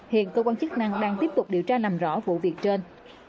hiện cơ quan chức năng đang tiếp tục điều tra làm rõ vụ việc trên